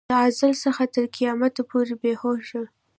له ازل څخه تر قیامته پورې بې هوشه.